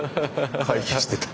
回避してた。